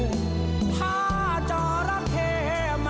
ถ้าเจ้าระเคมาเจอมันต้องเรียกเธอมากนาน